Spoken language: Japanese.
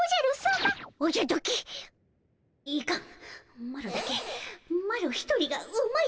マロだけマロ一人がうまいとは言えぬ。